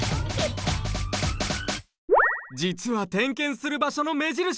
じつは点検する場所の目印。